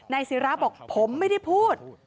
ศิราบอกผมไม่ได้พูด